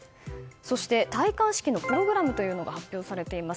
そして、戴冠式のプログラムが発表されています。